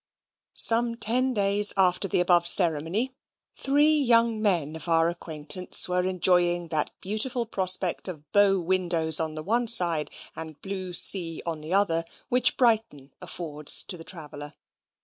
Some ten days after the above ceremony, three young men of our acquaintance were enjoying that beautiful prospect of bow windows on the one side and blue sea on the other, which Brighton affords to the traveller.